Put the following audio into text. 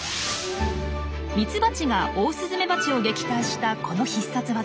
ミツバチがオオスズメバチを撃退したこの必殺技。